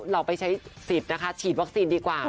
เราไปใช้สิทธิ์นะคะฉีดวัคซีนดีกว่า